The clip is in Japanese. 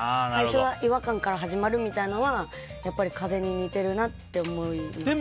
最初は違和感から始まるみたいなのは風邪に似てるなって思います。